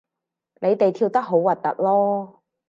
你哋跳得好核突囉